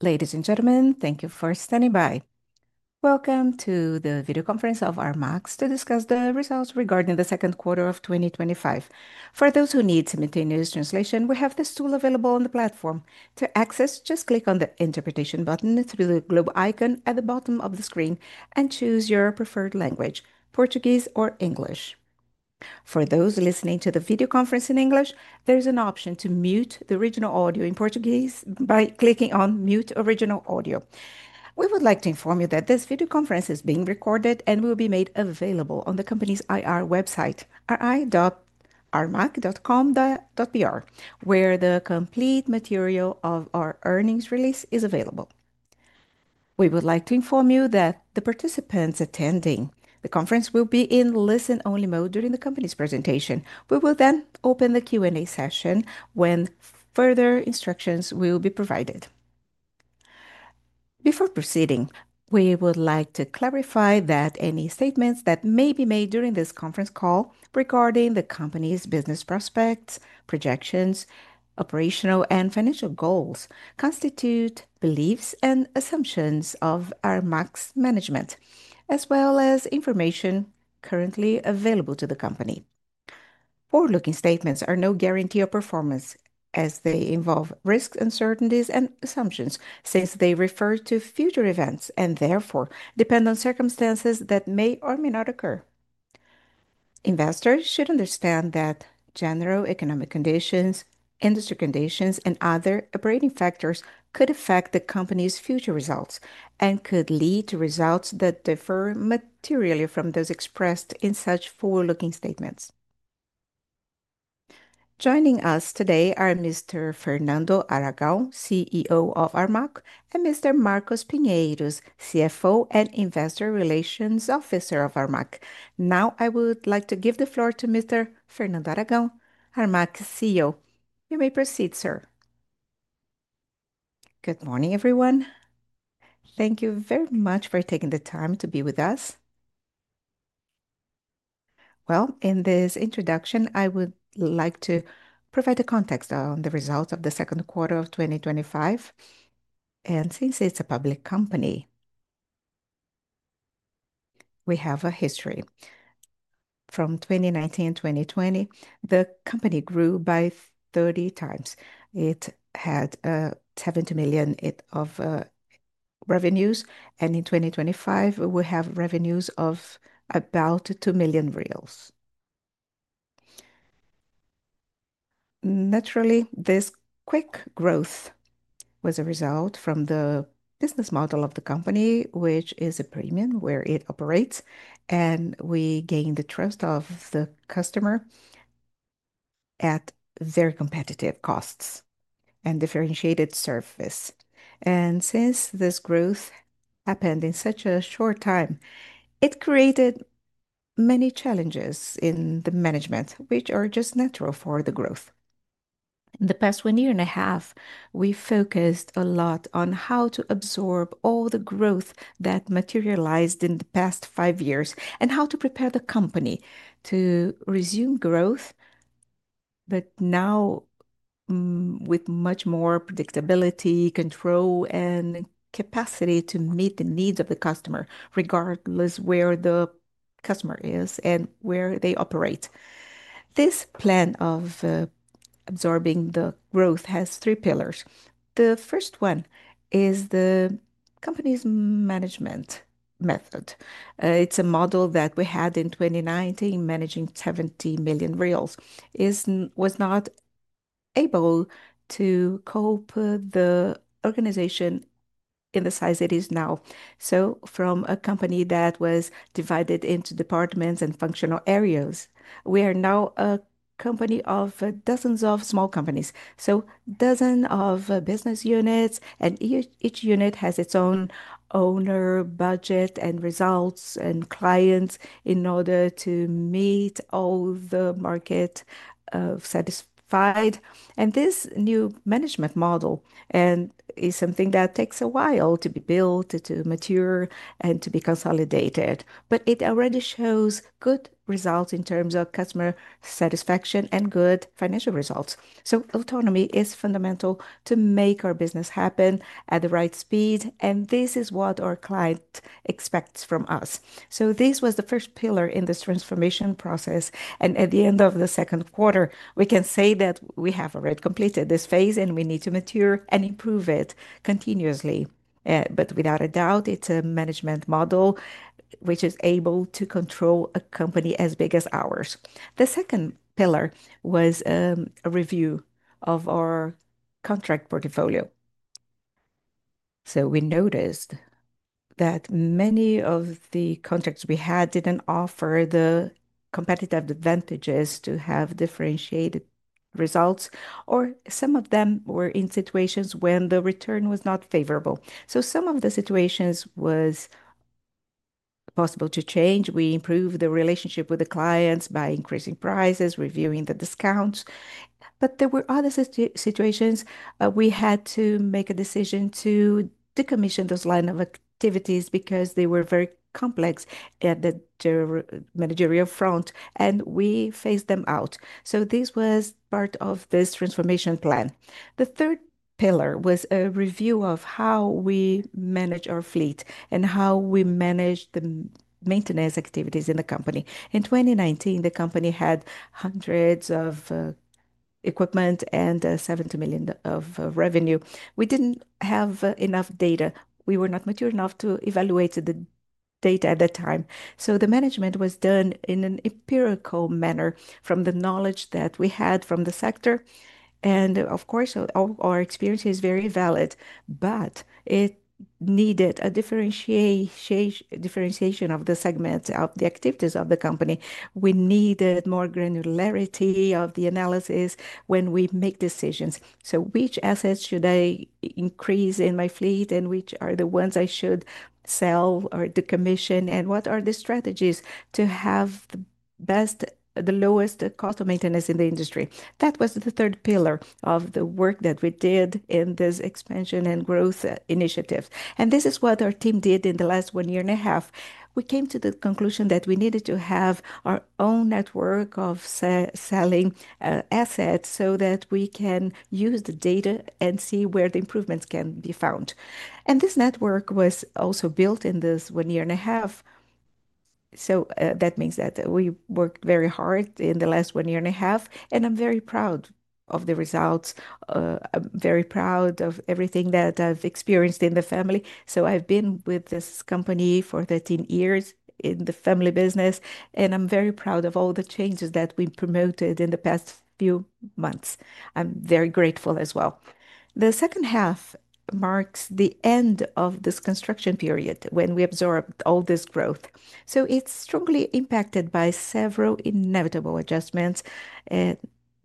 Ladies and gentlemen, thank you for standing by. Welcome to the Video Conference of Armac Locação Logística e Serviços S.A. to discuss the results regarding the Second Quarter of 2025. For those who need simultaneous translation, we have this tool available on the platform. To access, just click on the interpretation button next to the blue globe icon at the bottom of the screen and choose your preferred language, Portuguese or English. For those listening to the video conference in English, there is an option to mute the original audio in Portuguese by clicking on "Mute Original Audio." We would like to inform you that this video conference is being recorded and will be made available on the company's IR website, armac.com.br, where the complete material of our earnings release is available. We would like to inform you that the participants attending the conference will be in listen-only mode during the company's presentation. We will then open the Q&A session when further instructions will be provided. Before proceeding, we would like to clarify that any statements that may be made during this conference call regarding the company's business prospects, projections, operational, and financial goals constitute beliefs and assumptions of our management, as well as information currently available to the company. Forward-looking statements are no guarantee of performance as they involve risks, uncertainties, and assumptions since they refer to future events and therefore depend on circumstances that may or may not occur. Investors should understand that general economic conditions, industry conditions, and other factors could affect the company's future results and could lead to results that differ materially from those expressed in such forward-looking statements. Joining us today are Mr. Fernando Aragao, CEO of Armac, and Mr. Marcos Pinheiro, CFO and Investor Relations Officer of Armac. Now, I would like to give the floor to Mr. Fernando Aragao, Armac's CEO. You may proceed, sir. Good morning, everyone. Thank you very much for taking the time to be with us. In this introduction, I would like to provide the context on the results of the second quarter of 2025. Since it's a public company, we have a history. From 2019-2020, the company grew by 30x. It had 70 million in revenues, and in 2025, we have revenues of about 2 billion reais. Naturally, this quick growth was a result from the business model of the company, which is a premium where it operates, and we gained the trust of the customer at very competitive costs and differentiated service. Since this growth happened in such a short time, it created many challenges in the management, which are just natural for the growth. In the past one year and a half, we focused a lot on how to absorb all the growth that materialized in the past five years and how to prepare the company to resume growth, now with much more predictability, control, and capacity to meet the needs of the customer, regardless of where the customer is and where they operate. This plan of absorbing the growth has three pillars. The first one is the company's management method. It's a model that we had in 2019, managing 70 million reels. It was not able to cope with the organization in the size it is now. From a company that was divided into departments and functional areas, we are now a company of dozens of small companies. Dozens of business units, and each unit has its own owner, budget, and results, and clients in order to keep all the markets satisfied. This new management model is something that takes a while to be built, to mature, and to be consolidated. It already shows good results in terms of customer satisfaction and good financial results. Autonomy is fundamental to make our business happen at the right speed, and this is what our client expects from us. This was the first pillar in this transformation process. At the end of the second quarter, we can say that we have already completed this phase, and we need to mature and improve it continuously. Without a doubt, it's a management model which is able to control a company as big as ours. The second pillar was a review of our contract portfolio. We noticed that many of the contracts we had didn't offer the competitive advantages to have differentiated results, or some of them were in situations when the return was not favorable. Some of the situations were possible to change. We improved the relationship with the clients by increasing prices, reviewing the discounts. There were other situations we had to make a decision to decommission those lines of activities because they were very complex at the managerial front, and we phased them out. This was part of this transformation plan. The third pillar was a review of how we manage our fleet and how we manage the maintenance activities in the company. In 2019, the company had hundreds of equipment and 70 million in revenue. We didn't have enough data. We were not mature enough to evaluate the data at that time. The management was done in an empirical manner from the knowledge that we had from the sector. Of course, our experience is very valid, but it needed a differentiation of the segment of the activities of the company. We needed more granularity of the analysis when we make decisions. Which assets should I increase in my fleet and which are the ones I should sell or decommission, and what are the strategies to have the best, the lowest cost of maintenance in the industry? That was the third pillar of the work that we did in this expansion and growth initiative. This is what our team did in the last one year and a half. We came to the conclusion that we needed to have our own asset sales network so that we can use the data and see where the improvements can be found. This network was also built in this one year and a half. That means that we worked very hard in the last one year and a half, and I'm very proud of the results. I'm very proud of everything that I've experienced in the family. I've been with this company for 13 years in the family business, and I'm very proud of all the changes that we promoted in the past few months. I'm very grateful as well. The second half marks the end of this construction period when we absorbed all this growth. It's strongly impacted by several inevitable adjustments in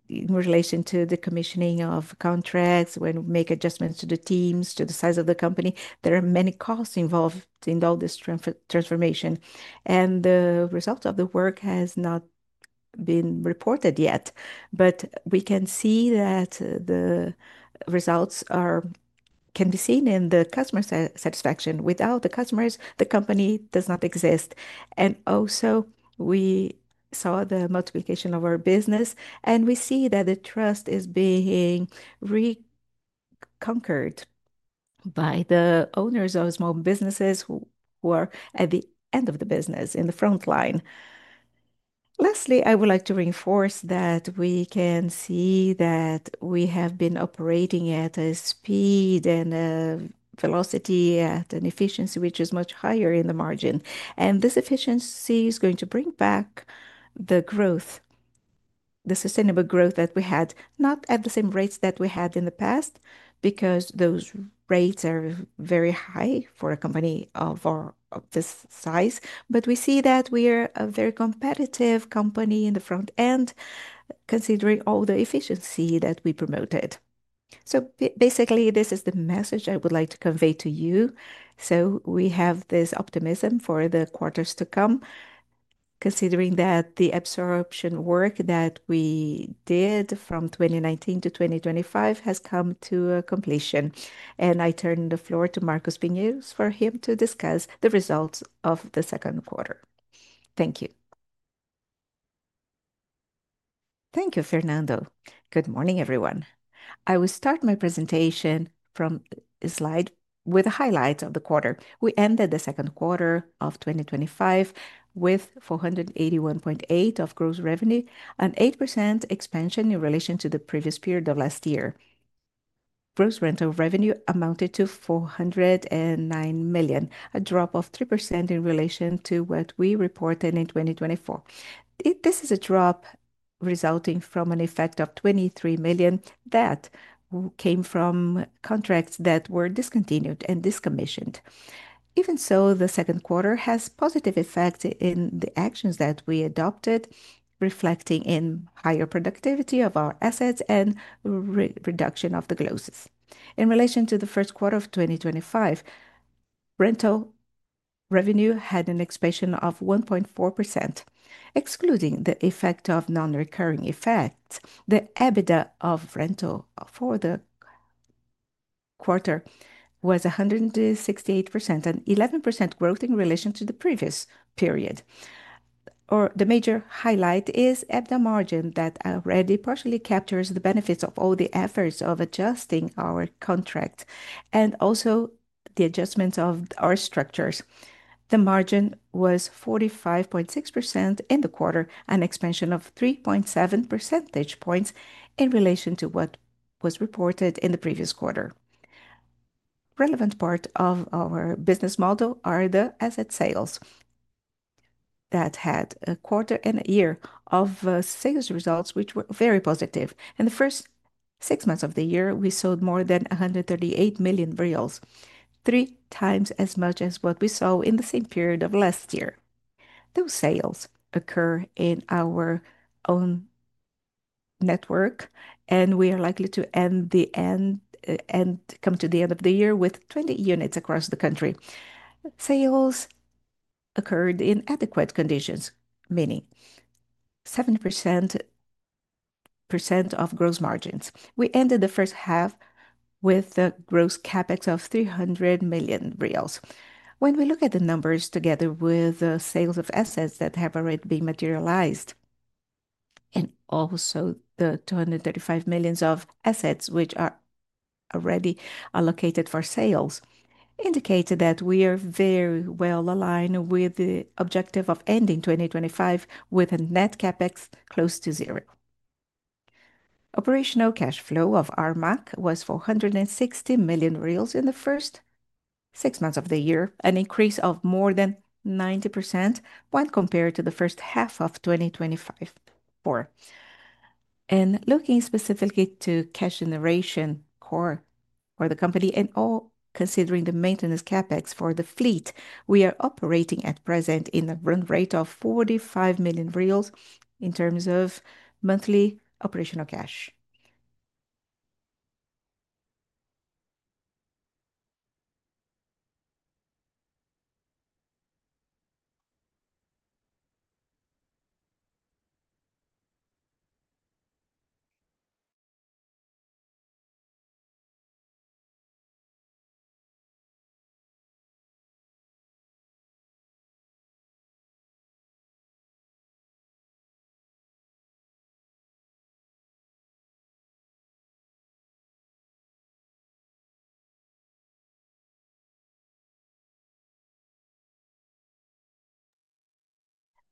relation to the commissioning of contracts, when we make adjustments to the teams, to the size of the company. There are many costs involved in all this transformation, and the results of the work have not been reported yet. We can see that the results can be seen in the customer satisfaction. Without the customers, the company does not exist. We saw the multiplication of our business, and we see that the trust is being reconquered by the owners of small businesses who were at the end of the business, in the front line. Lastly, I would like to reinforce that we can see that we have been operating at a speed and a velocity and an efficiency which is much higher in the margin. This efficiency is going to bring back the growth, the sustainable growth that we had, not at the same rates that we had in the past because those rates are very high for a company of this size. We see that we are a very competitive company in the front end, considering all the efficiency that we promoted. Basically, this is the message I would like to convey to you. We have this optimism for the quarters to come, considering that the absorption work that we did from 2019-2025 has come to a completion. I turn the floor to Marcos Pinheiro for him to discuss the results of the second quarter. Thank you. Thank you, Fernando. Good morning, everyone. I will start my presentation from a slide with the highlights of the quarter. We ended the second quarter of 2025 with 481.8 million of gross revenue, an 8% expansion in relation to the previous period of last year. Gross rental revenue amounted to 409 million, a drop of 3% in relation to what we reported in 2024. This is a drop resulting from an effect of 23 million that came from contracts that were discontinued and decommissioned. Even so, the second quarter has positive effects in the actions that we adopted, reflecting in higher productivity of our assets and reduction of the losses. In relation to the first quarter of 2025, rental revenue had an expansion of 1.4%. Excluding the effect of non-recurring effects, the EBITDA of rental for the quarter was 168 million, an 11% growth in relation to the previous period. The major highlight is EBITDA margin that already partially captures the benefits of all the efforts of adjusting our contract and also the adjustments of our structures. The margin was 45.6% in the quarter, an expansion of 3.7 percentage points in relation to what was reported in the previous quarter. Relevant part of our business model are the asset sales that had a quarter and a year of sales results which were very positive. In the first six months of the year, we sold more than 138 million BRL, three times as much as what we saw in the same period of last year. Those sales occur in our own network, and we are likely to come to the end of the year with 20 units across the country. Sales occurred in adequate conditions, meaning 7% of gross margins. We ended the first half with a gross CapEx of 300 million reais. When we look at the numbers together with the sales of assets that have already been materialized and also the 235 million of assets which are already allocated for sales, it indicates that we are very well aligned with the objective of ending 2025 with a net CapEx close to zero. Operational cash flow of Armac was 460 million reais in the first six months of the year, an increase of more than 90% when compared to the first half of 2024. Looking specifically to cash generation core for the company and all considering the maintenance CapEx for the fleet, we are operating at present in a run rate of 45 million reais in terms of monthly operational cash.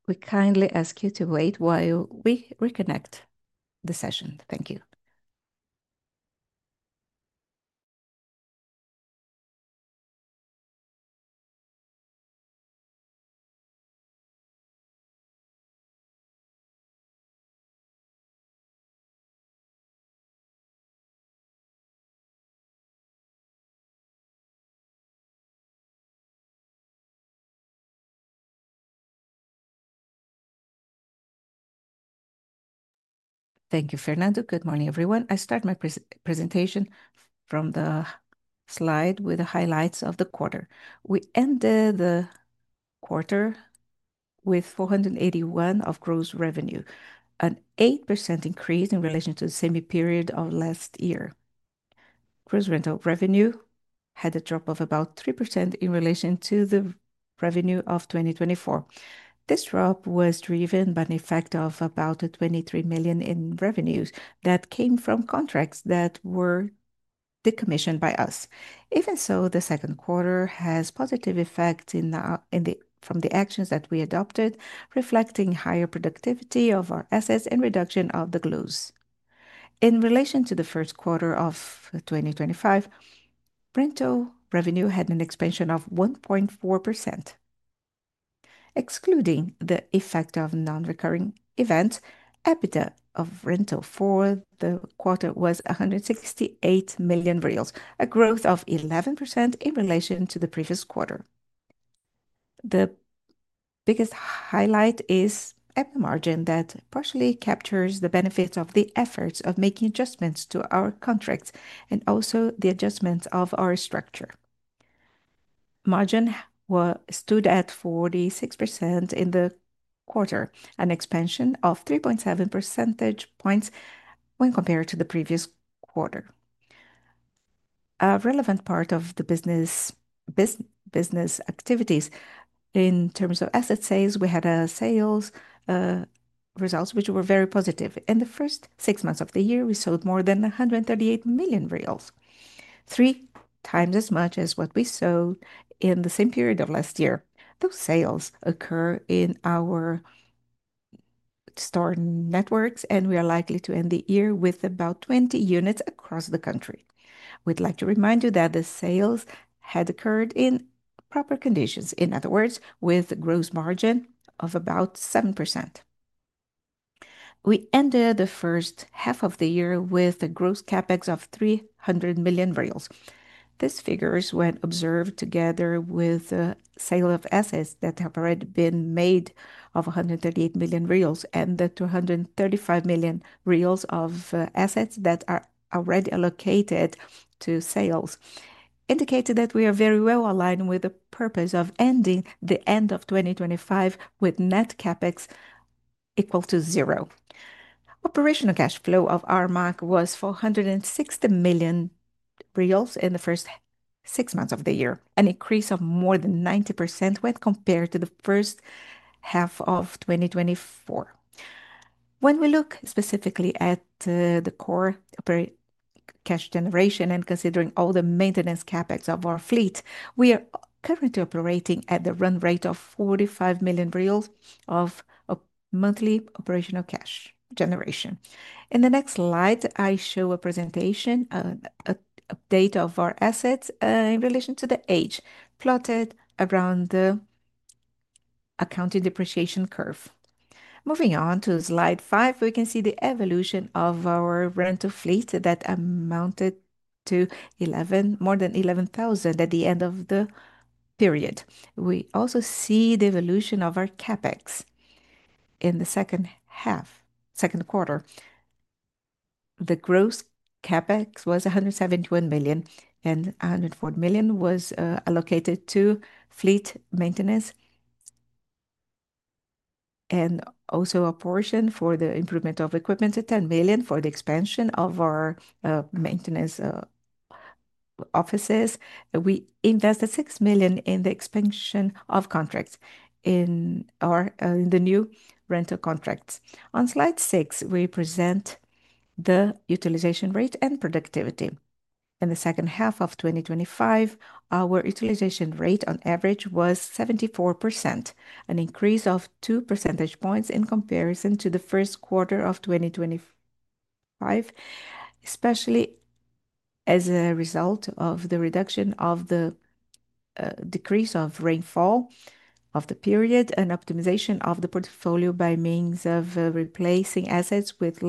We kindly ask you to wait while we reconnect the session. Thank you. Thank you, Fernando. Good morning, everyone. I start my presentation from the slide with the highlights of the quarter. We ended the quarter with 481 million of gross revenue, an 8% increase in relation to the same period of last year. Gross rental revenue had a drop of about 3% in relation to the revenue of 2024. This drop was driven by an effect of about 23 million in revenues that came from contracts that were decommissioned by us. Even so, the second quarter has positive effects from the actions that we adopted, reflecting higher productivity of our assets and reduction of the losses. In relation to the first quarter of 2025, rental revenue had an expansion of 1.4%. Excluding the effect of non-recurring events, EBITDA of rental for the quarter was 168 million reais, a growth of 11% in relation to the previous quarter. The biggest highlight is EBITDA margin that partially captures the benefits of the efforts of making adjustments to our contracts and also the adjustments of our structure. Margin stood at 46% in the quarter, an expansion of 3.7 percentage points when compared to the previous quarter. A relevant part of the business activities in terms of asset sales, we had sales results which were very positive. In the first six months of the year, we sold more than 138 million, three times as much as what we sold in the same period of last year. Those sales occur in our store networks, and we are likely to end the year with about 20 units across the country. We'd like to remind you that the sales had occurred in proper conditions, in other words, with a gross margin of about 7%. We ended the first half of the year with a gross CapEx of 300 million. This figure is when observed together with the sale of assets that have already been made of 138 million reais and the 235 million reais of assets that are already allocated to sales, indicating that we are very well aligned with the purpose of ending the end of 2025 with net CapEx equal to zero. Operational cash flow of Armac was 460 million reais in the first six months of the year, an increase of more than 90% when compared to the first half of 2024. When we look specifically at the core cash generation and considering all the maintenance CapEx of our fleet, we are currently operating at the run rate of 45 million reais of monthly operational cash generation. In the next slide, I show a presentation, an update of our assets in relation to the age plotted around the accounting depreciation curve. Moving on to slide five, we can see the evolution of our rental fleet that amounted to more than 11,000 at the end of the period. We also see the evolution of our CapEx in the second quarter. The gross CapEx was 171 million, and 104 million was allocated to fleet maintenance and also a portion for the improvement of equipment, 10 million for the expansion of our maintenance offices. We invested 6 million in the expansion of contracts in the new rental contracts. On slide six, we present the utilization rate and productivity. In the second half of 2025, our utilization rate on average was 74%, an increase of 2 percentage points in comparison to the first quarter of 2025, especially as a result of the reduction of the decrease of rainfall of the period and optimization of the portfolio by means of replacing assets with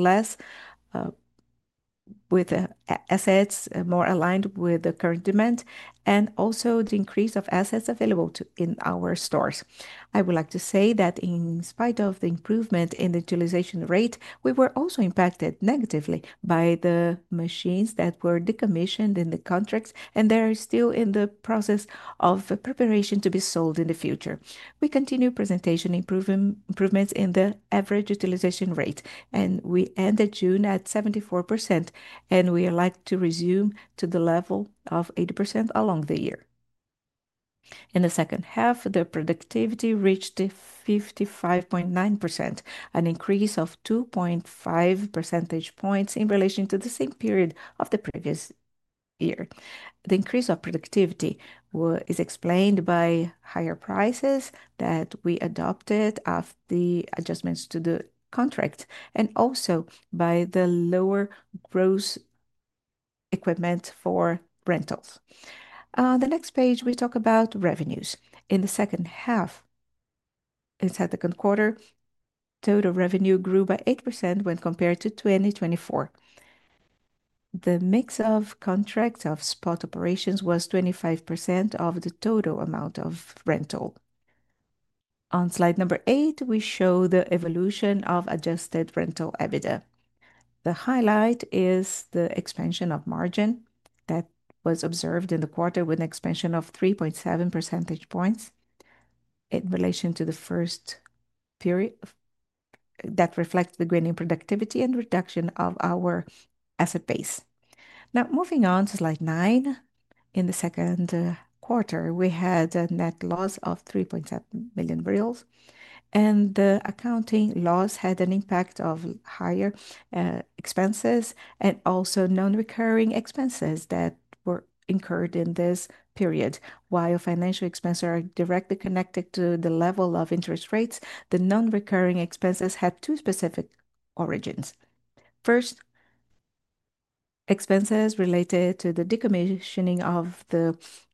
assets more aligned with the current demand and also the increase of assets available in our stores. I would like to say that in spite of the improvement in the utilization rate, we were also impacted negatively by the machines that were decommissioned in the contracts and are still in the process of preparation to be sold in the future. We continue presentation improvements in the average utilization rate, and we ended June at 74%, and we are likely to resume to the level of 80% along the year. In the second half, the productivity reached 55.9%, an increase of 2.5 percentage points in relation to the same period of the previous year. The increase of productivity is explained by higher prices that we adopted after the adjustments to the contract and also by the lower gross equipment for rentals. On the next page, we talk about revenues. In the second half, it's at the second quarter, total revenue grew by 8% when compared to 2024. The mix of contracts of spot operations was 25% of the total amount of rental. On slide number eight, we show the evolution of adjusted rental EBITDA. The highlight is the expansion of margin that was observed in the quarter with an expansion of 3.7 percentage points in relation to the first period that reflects the growing productivity and reduction of our asset base. Now, moving on to slide nine, in the second quarter, we had a net loss of 3.7 million reais, and the accounting loss had an impact of higher expenses and also non-recurring expenses that were incurred in this period. While financial expenses are directly connected to the level of interest rates, the non-recurring expenses had two specific origins. First, expenses related to the decommissioning of the operations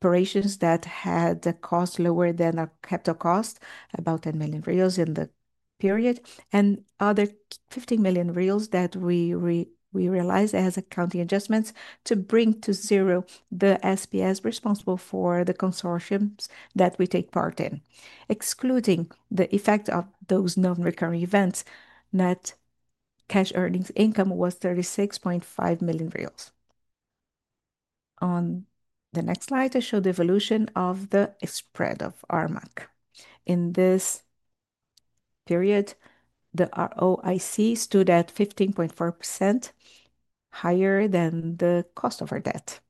that had the cost lower than our capital cost, about 10 million reais in the period, and other 15 million reais that we realized as accounting adjustments to bring to zero the SPS responsible for the consortiums that we take part in. Excluding the effect of those non-recurring events, net cash earnings income was 36.5 million reais. On the next slide, I show the evolution of the spread of Armac. In this period, the ROIC stood at 15.4%, higher than the cost of our debt.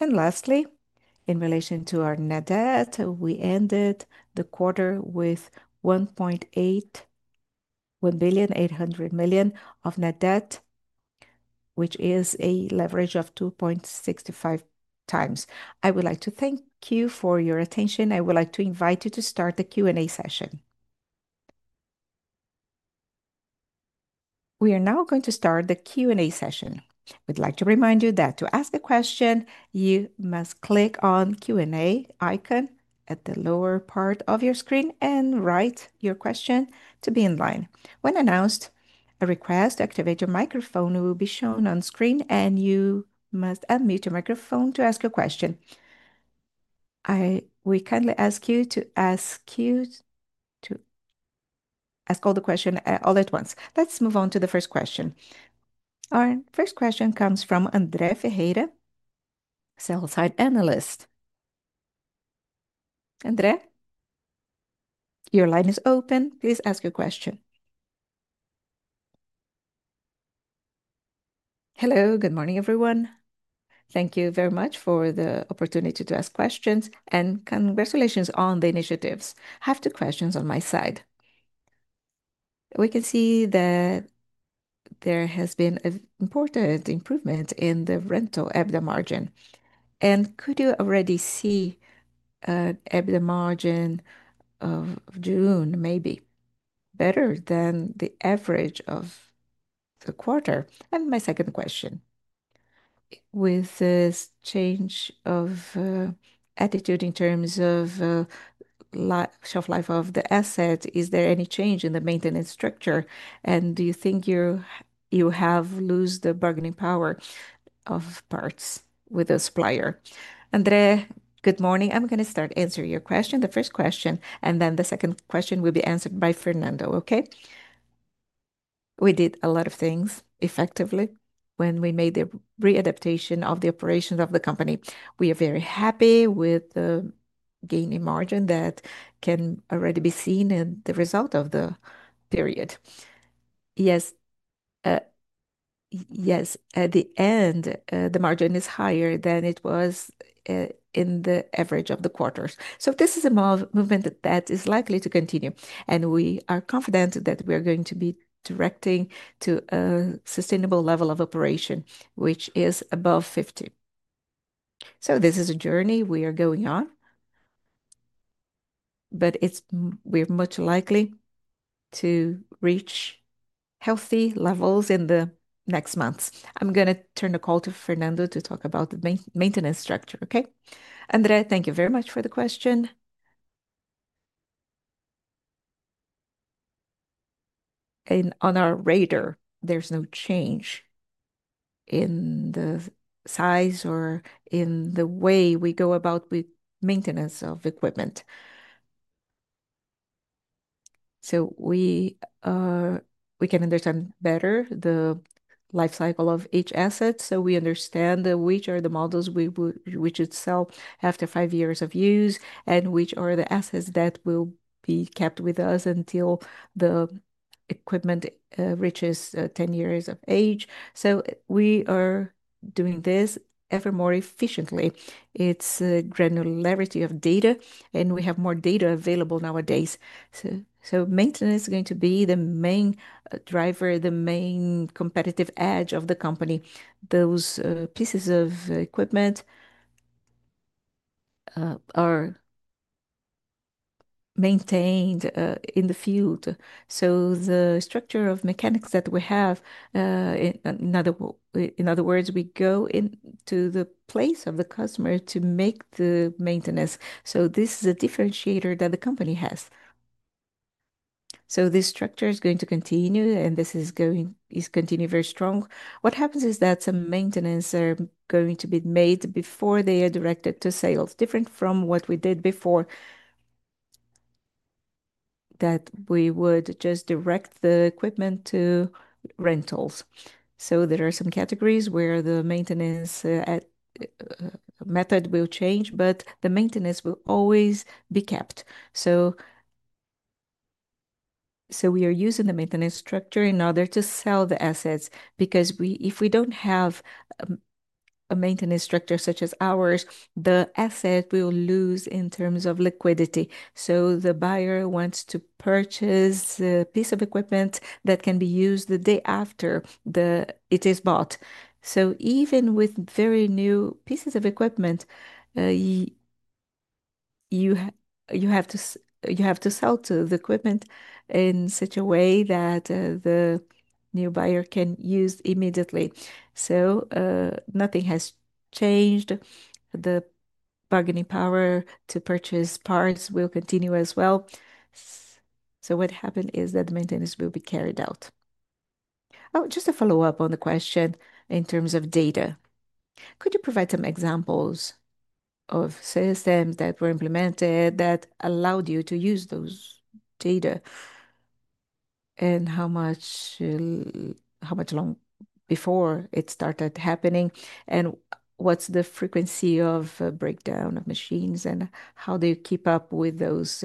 Lastly, in relation to our net debt, we ended the quarter with 1.8 billion of net debt, which is a leverage of 2.65 times. I would like to thank you for your attention. I would like to invite you to start the Q&A session. We are now going to start the Q&A session. We'd like to remind you that to ask a question, you must click on the Q&A icon at the lower part of your screen and write your question to be in line. When announced, a request to activate your microphone will be shown on screen, and you must unmute your microphone to ask your question. We kindly ask you to ask all the questions all at once. Let's move on to the first question. Our first question comes from Andre Ferreira, sell-side analyst. Andre, your line is open. Please ask your question. Hello. Good morning, everyone. Thank you very much for the opportunity to ask questions, and congratulations on the initiatives. I have two questions on my side. We can see that there has been an important improvement in the rental EBITDA margin. Could you already see an EBITDA margin of June, maybe better than the average of the quarter? My second question, with this change of attitude in terms of the shelf life of the asset, is there any change in the maintenance structure? Do you think you have lost the bargaining power of parts with the supplier? Andre, good morning. I'm going to start answering your question, the first question, and then the second question will be answered by Fernando, okay? We did a lot of things effectively when we made the readaptation of the operations of the company. We are very happy with the gain in margin that can already be seen in the result of the period. Yes, at the end, the margin is higher than it was in the average of the quarters. This is a movement that is likely to continue, and we are confident that we are going to be directing to a sustainable level of operation, which is above 50%. This is a journey we are going on, but we are much likely to reach healthy levels in the next months. I'm going to turn the call to Fernando to talk about the maintenance structure, okay? Andrea, thank you very much for the question. On our radar, there's no change in the size or in the way we go about maintenance of equipment. We can understand better the lifecycle of each asset. We understand which are the models we should sell after five years of use, and which are the assets that will be kept with us until the equipment reaches 10 years of age. We are doing this ever more efficiently. It's a granularity of data, and we have more data available nowadays. Maintenance is going to be the main driver, the main competitive edge of the company. Those pieces of equipment are maintained in the field. The structure of mechanics that we have, in other words, we go into the place of the customer to make the maintenance. This is a differentiator that the company has. This structure is going to continue, and this is going to continue very strong. What happens is that some maintenance are going to be made before they are directed to sales, different from what we did before, that we would just direct the equipment to rentals. There are some categories where the maintenance method will change, but the maintenance will always be kept. We are using the maintenance structure in order to sell the assets because if we don't have a maintenance structure such as ours, the asset will lose in terms of liquidity. The buyer wants to purchase a piece of equipment that can be used the day after it is bought. Even with very new pieces of equipment, you have to sell the equipment in such a way that the new buyer can use it immediately. Nothing has changed. The bargaining power to purchase parts will continue as well. What happens is that the maintenance will be carried out. Just to follow up on the question in terms of data, could you provide some examples of systems that were implemented that allowed you to use those data and how much long before it started happening? What's the frequency of breakdown of machines and how do you keep up with those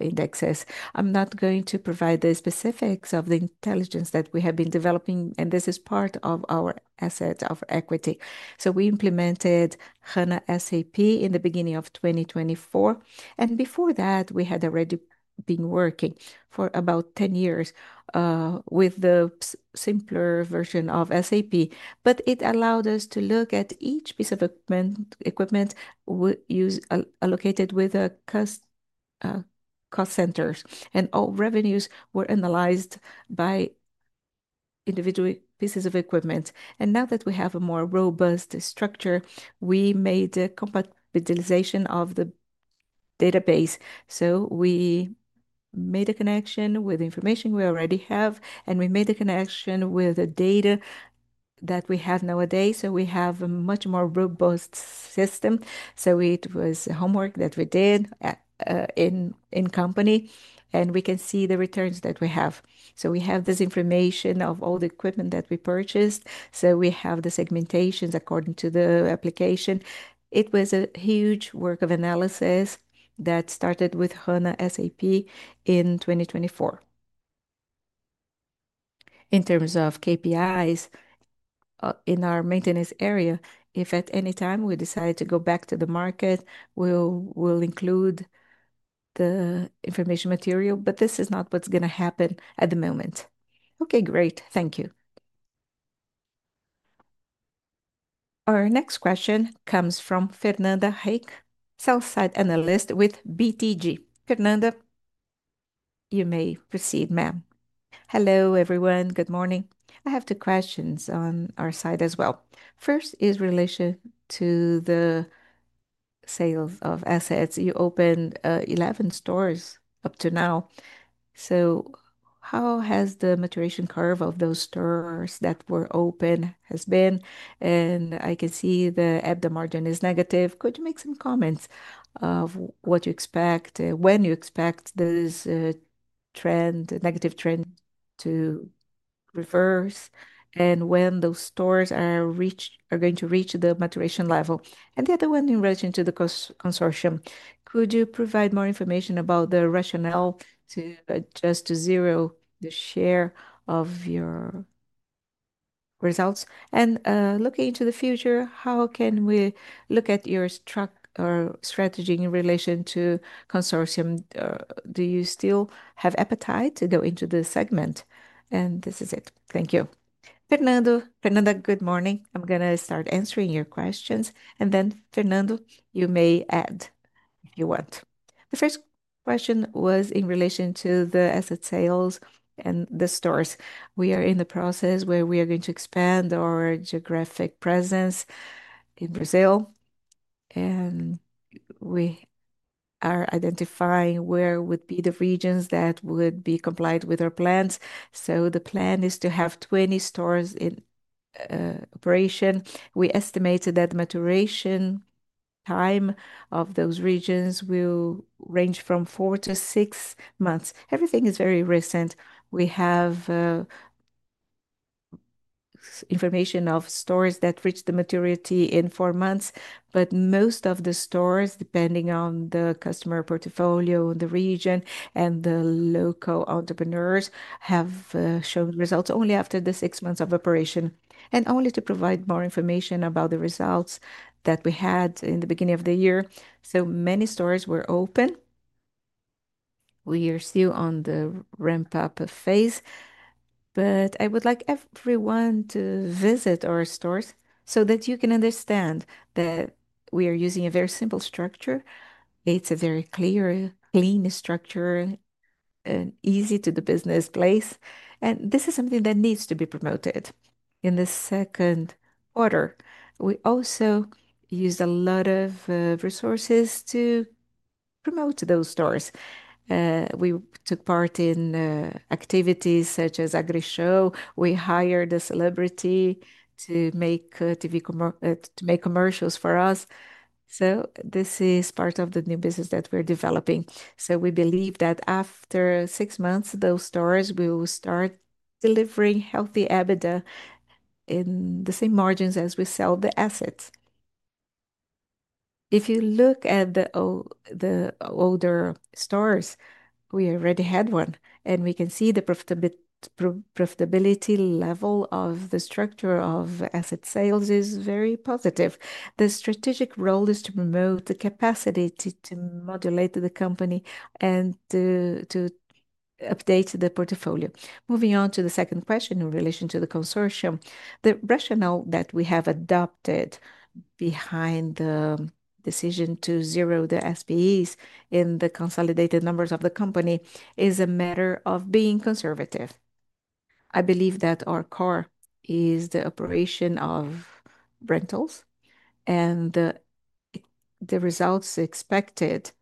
indexes? I'm not going to provide the specifics of the intelligence that we have been developing, and this is part of our asset of equity. We implemented SAP HANA in the beginning of 2024. Before that, we had already been working for about 10 years with the simpler version of SAP, but it allowed us to look at each piece of equipment allocated with customer cost centers, and all revenues were analyzed by individual pieces of equipment. Now that we have a more robust structure, we made the compatibilization of the database. We made a connection with the information we already have, and we made a connection with the data that we have nowadays. We have a much more robust system. It was homework that we did in company, and we can see the returns that we have. We have this information of all the equipment that we purchased. We have the segmentations according to the application. It was a huge work of analysis that started with SAP HANA in 2024. In terms of KPIs in our maintenance area, if at any time we decide to go back to the market, we'll include the information material, but this is not what's going to happen at the moment. Okay, great. Thank you. Our next question comes from Fernanda Recchia, sell-side analyst with BTG. Fernanda, you may proceed, ma'am. Hello, everyone. Good morning. I have two questions on our side as well. First is in relation to the sales of assets. You opened 11 stores up to now. How has the maturation curve of those stores that were opened been? I can see the EBITDA margin is negative. Could you make some comments of what you expect, when you expect this trend, the negative trend to reverse, and when those stores are going to reach the maturation level? The other one in relation to the consortium, could you provide more information about the rationale to adjust to zero the share of your results? Looking into the future, how can we look at your strategy in relation to consortium? Do you still have appetite to go into this segment? This is it. Thank you. Fernanda, good morning. I'm going to start answering your questions, and then Fernando, you may add if you want. The first question was in relation to the asset sales and the stores. We are in the process where we are going to expand our geographic presence in Brazil, and we are identifying where would be the regions that would be compliant with our plans. The plan is to have 20 stores in operation. We estimated that the maturation time of those regions will range from four to six months. Everything is very recent. We have information of stores that reached the maturity in four months, but most of the stores, depending on the customer portfolio, the region, and the local entrepreneurs, have shown results only after the six months of operation. Only to provide more information about the results that we had in the beginning of the year, many stores were open. We are still on the ramp-up phase, but I would like everyone to visit our stores so that you can understand that we are using a very simple structure. It's a very clean, clean structure, an easy-to-the-business place, and this is something that needs to be promoted in the second quarter. We also use a lot of resources to promote those stores. We took part in activities such as AgriShow. We hired a celebrity to make TV commercials for us. This is part of the new business that we're developing. We believe that after six months, those stores will start delivering healthy EBITDA in the same margins as we sell the assets. If you look at the older stores, we already had one, and we can see the profitability level of the structure of asset sales is very positive. The strategic role is to promote the capacity to modulate the company and to update the portfolio. Moving on to the second question in relation to the consortium, the rationale that we have adopted behind the decision to zero the SPEs in the consolidated numbers of the company is a matter of being conservative. I believe that our core is the operation of rentals, and the results expected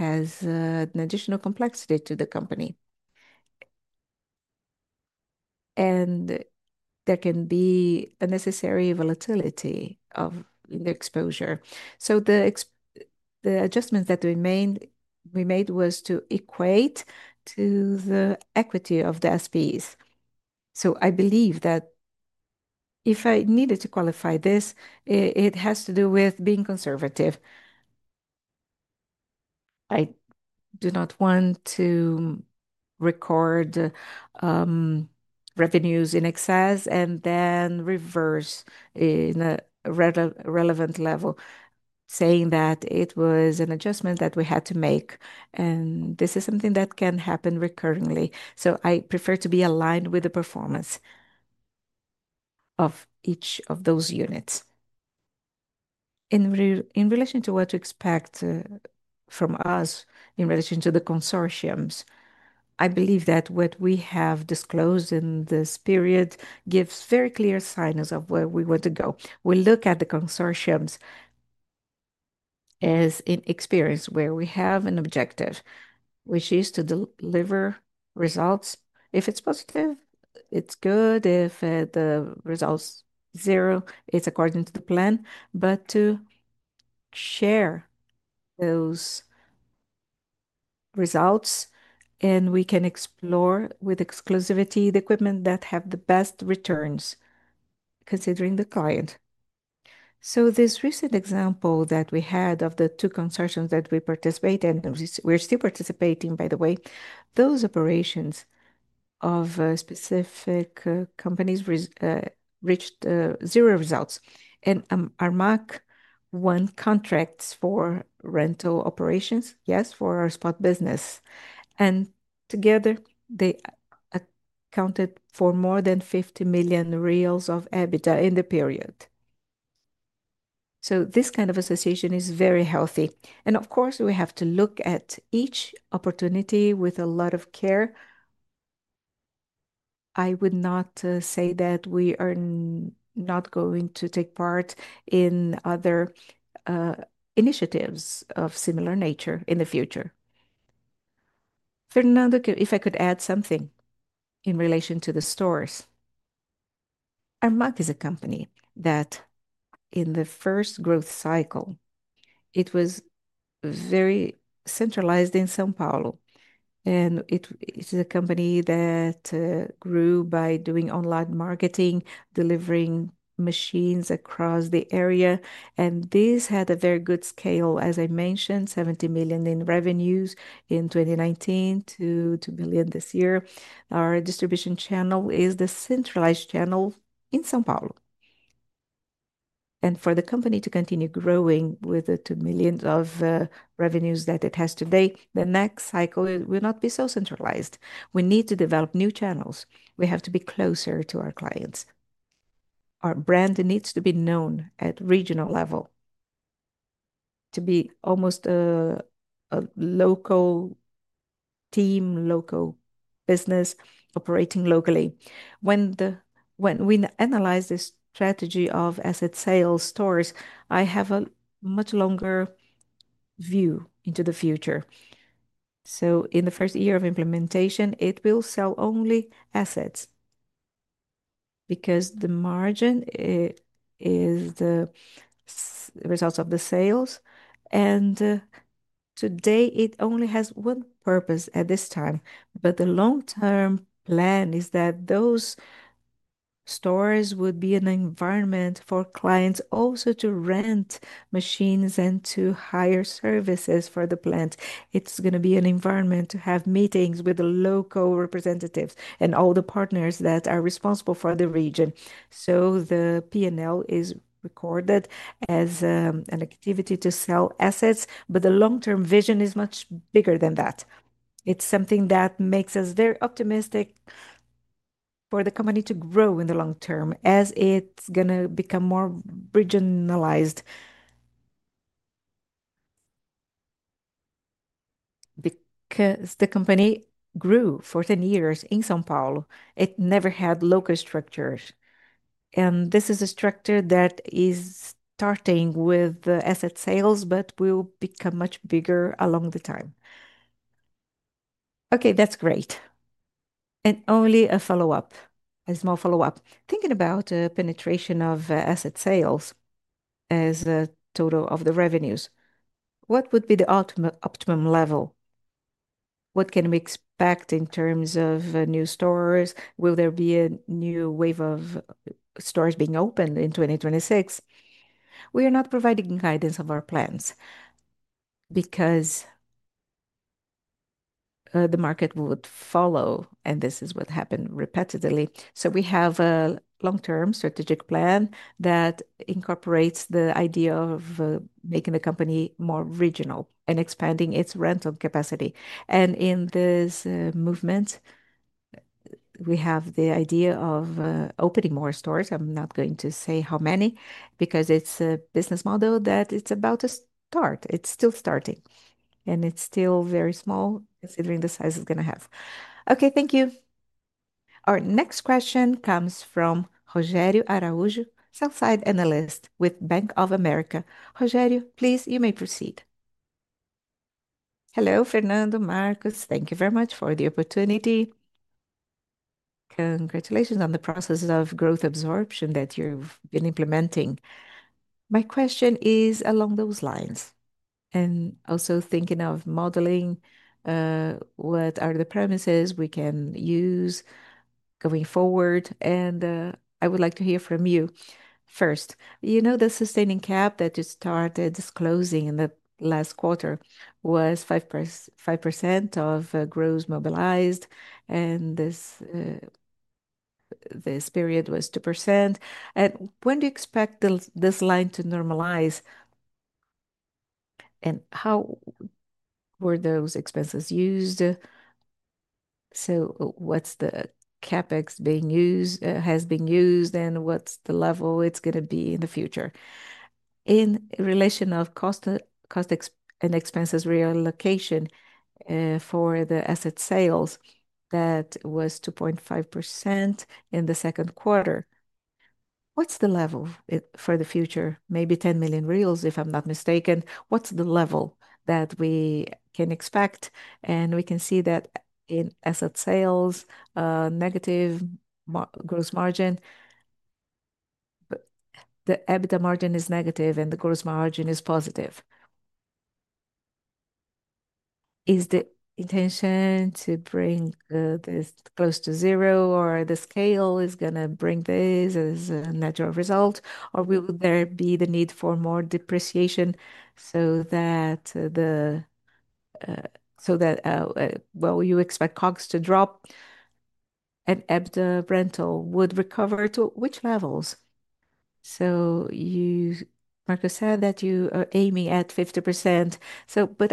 have an additional complexity to the company. There can be a necessary volatility of the exposure. The adjustments that we made were to equate to the equity of the SPEs. I believe that if I needed to qualify this, it has to do with being conservative. I do not want to record revenues in excess and then reverse in a relevant level, saying that it was an adjustment that we had to make. This is something that can happen recurrently. I prefer to be aligned with the performance of each of those units. In relation to what to expect from us in relation to the consortiums, I believe that what we have disclosed in this period gives very clear signs of where we want to go. We look at the consortiums as an experience where we have an objective, which is to deliver results. If it's positive, it's good. If the results are zero, it's according to the plan, but to share those results, and we can explore with exclusivity the equipment that has the best returns considering the client. This recent example that we had of the two consortiums that we participate in, we're still participating, by the way, those operations of specific companies reached zero results. Armac won contracts for rental operations, yes, for our spot business. Together, they accounted for more than 50 million reais of EBITDA in the period. This kind of association is very healthy. Of course, we have to look at each opportunity with a lot of care. I would not say that we are not going to take part in other initiatives of similar nature in the future. Fernanda, if I could add something in relation to the stores, Armac is a company that in the first growth cycle, it was very centralized in São Paulo. It's a company that grew by doing online marketing, delivering machines across the area. This had a very good scale, as I mentioned, 70 million in revenues in 2019 to 2 billion this year. Our distribution channel is the centralized channel in São Paulo. For the company to continue growing with the 2 billion of revenues that it has today, the next cycle will not be so centralized. We need to develop new channels. We have to be closer to our clients. Our brand needs to be known at a regional level, to be almost a local team, local business operating locally. When we analyze this strategy of asset sales stores, I have a much longer view into the future. In the first year of implementation, it will sell only assets because the margin is the result of the sales. Today, it only has one purpose at this time, but the long-term plan is that those stores would be an environment for clients also to rent machines and to hire services for the plant. It is going to be an environment to have meetings with the local representatives and all the partners that are responsible for the region. The P&L is recorded as an activity to sell assets, but the long-term vision is much bigger than that. It is something that makes us very optimistic for the company to grow in the long term as it is going to become more regionalized. Because the company grew for 10 years in São Paulo, it never had local structures. This is a structure that is starting with asset sales, but will become much bigger along the time. Okay, that's great. Only a follow-up, a small follow-up. Thinking about the penetration of asset sales as a total of the revenues, what would be the optimum level? What can we expect in terms of new stores? Will there be a new wave of stores being opened in 2026? We are not providing guidance of our plans because the market would follow, and this is what happened repetitively. We have a long-term strategic plan that incorporates the idea of making the company more regional and expanding its rental capacity. In this movement, we have the idea of opening more stores. I am not going to say how many because it is a business model that is about to start. It is still starting, and it is still very small considering the size it is going to have. Okay, thank you. Our next question comes from Rogerio Araujo, sell-side analyst with Bank of America. Rogerio, please, you may proceed. Hello, Fernando, Marcos. Thank you very much for the opportunity. Congratulations on the process of growth absorption that you've been implementing. My question is along those lines, and also thinking of modeling what are the premises we can use going forward. I would like to hear from you. First, you know the sustaining cap that you started disclosing in the last quarter was 5% of gross mobilized, and this period was 2%. When do you expect this line to normalize, and how were those expenses used? What is the CapEx being used, has been used, and what is the level it is going to be in the future? In relation to cost and expenses reallocation for the asset sales that was 2.5% in the second quarter, what is the level for the future? Maybe 10 million, if I am not mistaken. What is the level that we can expect? We can see that in asset sales, a negative gross margin. The EBITDA margin is negative, and the gross margin is positive. Is the intention to bring this close to zero, or is the scale going to bring this as a natural result, or will there be the need for more depreciation so that you expect COGS to drop and adjusted rental EBITDA would recover to which levels? Marcos said that you are aiming at 50%.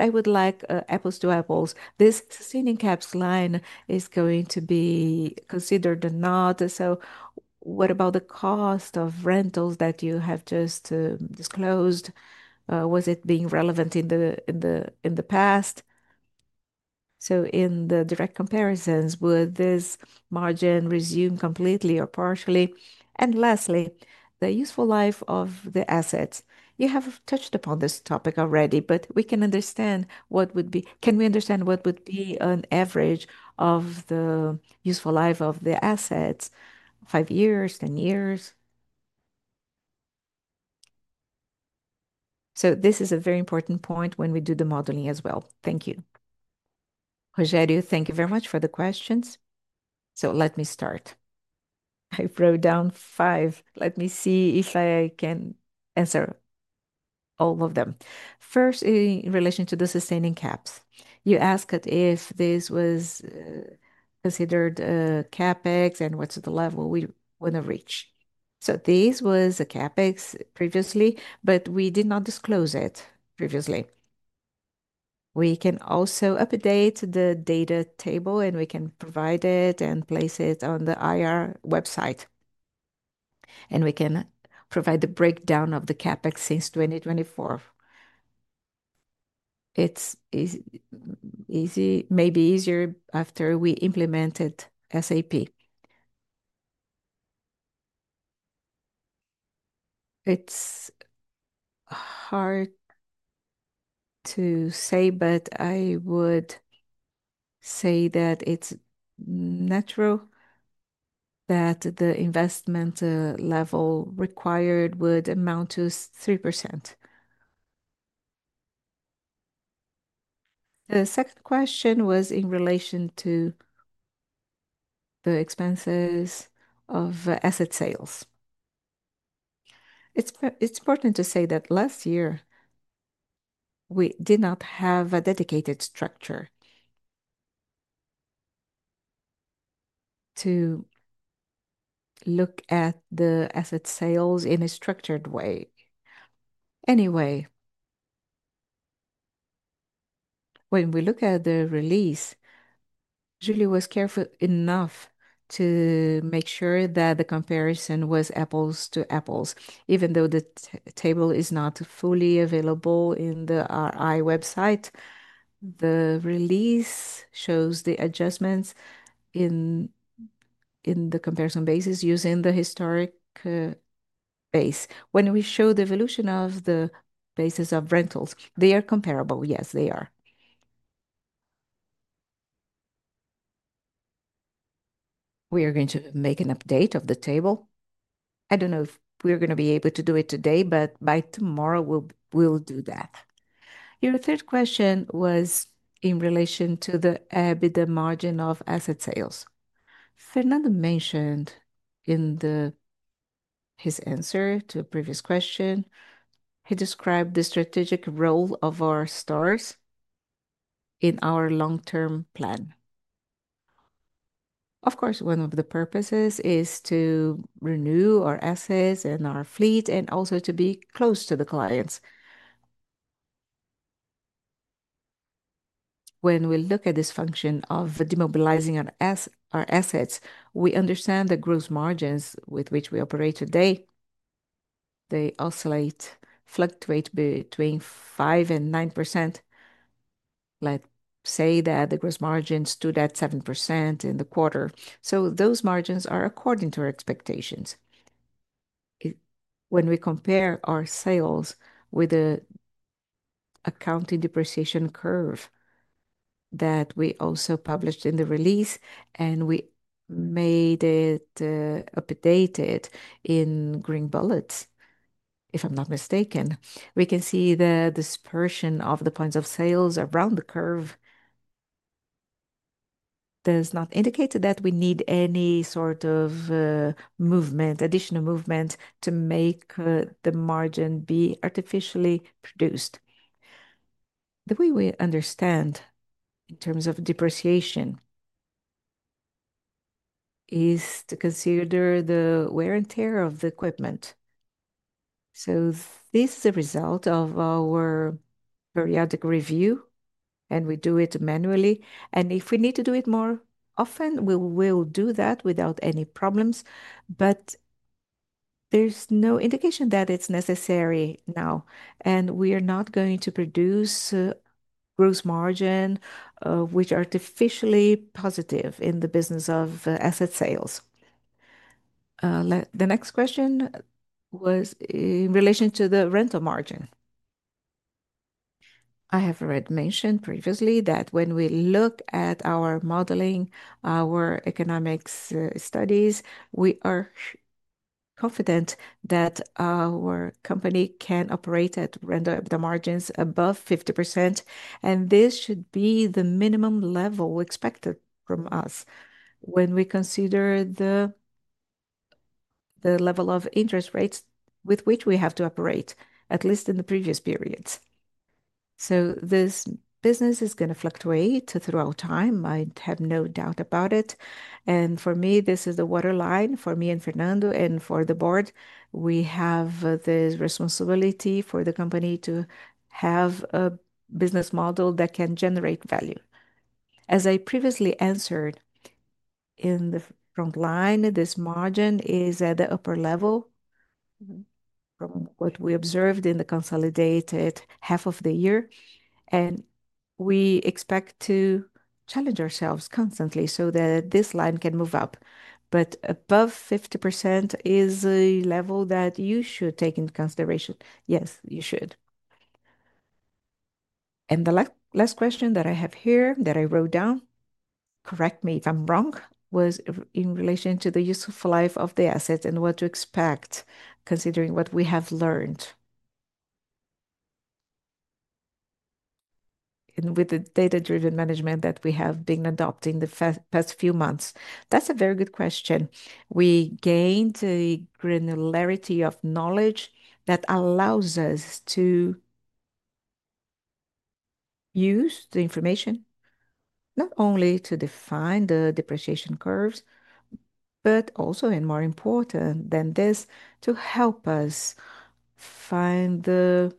I would like apples to apples. This sustaining CapEx line is going to be considered or not. What about the cost of rentals that you have just disclosed? Was it being relevant in the past? In the direct comparisons, would this margin resume completely or partially? Lastly, the useful life of the assets. You have touched upon this topic already, but can we understand what would be an average of the useful life of the assets? Five years, ten years? This is a very important point when we do the modeling as well. Thank you. Rogério, thank you very much for the questions. Let me start. I wrote down five. Let me see if I can answer all of them. First, in relation to the sustaining caps, you asked if this was considered a CapEx and what's the level we want to reach. This was a CapEx previously, but we did not disclose it previously. We can also update the data table, and we can provide it and place it on the IR website. We can provide the breakdown of the CapEx since 2024. It's maybe easier after we implement SAP HANA. It's hard to say, but I would say that it's natural that the investment level required would amount to 3%. The second question was in relation to the expenses of asset sales. It's important to say that last year, we did not have a dedicated structure to look at the asset sales in a structured way. When we look at the release, Julie was careful enough to make sure that the comparison was apples to apples. Even though the table is not fully available in the IR website, the release shows the adjustments in the comparison basis using the historic base. When we show the evolution of the basis of rentals, they are comparable. Yes, they are. We are going to make an update of the table. I don't know if we're going to be able to do it today, but by tomorrow, we'll do that. Your third question was in relation to the EBITDA margin of asset sales. Fernando mentioned in his answer to a previous question, he described the strategic role of our stores in our long-term plan. Of course, one of the purposes is to renew our assets and our fleet and also to be close to the clients. When we look at this function of demobilizing our assets, we understand the gross margins with which we operate today. They oscillate, fluctuate between 5% and 9%. Let's say that the gross margins stood at 7% in the quarter. Those margins are according to our expectations. When we compare our sales with the accounting depreciation curve that we also published in the release, and we made it updated in green bullets, if I'm not mistaken, we can see the dispersion of the points of sales around the curve. There's not indicated that we need any sort of movement, additional movement to make the margin be artificially produced. The way we understand in terms of depreciation is to consider the wear and tear of the equipment. This is a result of our periodic review, and we do it manually. If we need to do it more often, we will do that without any problems. There's no indication that it's necessary now. We are not going to produce a gross margin which is artificially positive in the business of asset sales. The next question was in relation to the rental margin. I have already mentioned previously that when we look at our modeling, our economics studies, we are confident that our company can operate at rental margins above 50%. This should be the minimum level expected from us when we consider the level of interest rates with which we have to operate, at least in the previous periods. This business is going to fluctuate throughout time. I have no doubt about it. For me, this is the waterline for me and Fernando and for the board. We have the responsibility for the company to have a business model that can generate value. As I previously answered in the front line, this margin is at the upper level from what we observed in the consolidated half of the year. We expect to challenge ourselves constantly so that this line can move up. Above 50% is a level that you should take into consideration. Yes, you should. The last question that I have here that I wrote down, correct me if I'm wrong, was in relation to the useful life of the assets and what to expect considering what we have learned. With the data-driven management that we have been adopting the past few months, that's a very good question. We gained the granularity of knowledge that allows us to use the information not only to define the depreciation curves, but also, and more important than this, to help us find the